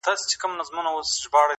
شالمار به په زلمیو هوسېږي،